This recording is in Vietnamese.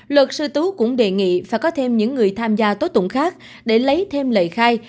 luật sư tú cũng đề nghị phải có thêm những người tham gia tố tụng khác để lấy thêm lời khai